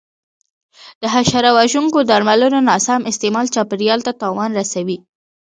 د حشره وژونکو درملو ناسم استعمال چاپېریال ته تاوان رسوي.